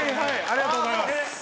ありがとうございます。